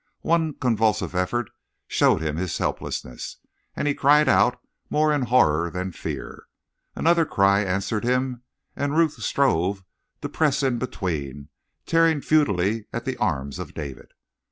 One convulsive effort showed him his helplessness, and he cried out more in horror than fear. Another cry answered him, and Ruth strove to press in between, tearing futilely at the arms of David.